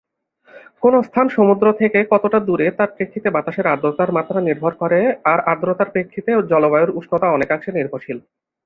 কোনো স্থান সমুদ্র থেকে কতটা দূরে তার প্রেক্ষিতে বাতাসের আর্দ্রতার মাত্রা নির্ভর করে আর আর্দ্রতার প্রেক্ষিতে জলবায়ুর উষ্ণতা অনেকাংশে নির্ভরশীল।